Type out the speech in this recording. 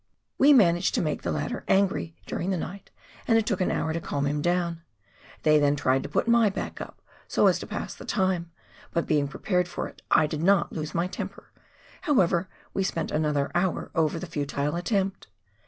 We managed to make the latter angry, during the night, and it took an hour to calm him down ; they then tried to " put my back up " so as to pass the time, but being prepared for it I did not lose my temper ; however, we spent another hour over the futile attempt.